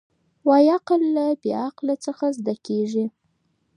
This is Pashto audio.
وايي عقل له بې عقله څخه زده کېږي.